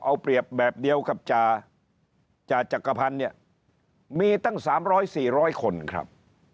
เอาเปรียบแบบเดียวกับจ่าจักรพันธ์เนี่ยมีตั้ง๓๐๐๔๐๐คนครับ